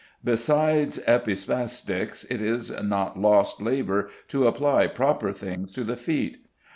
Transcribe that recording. "Besides epispasticks, it is not lost labour to apply proper things to the feet.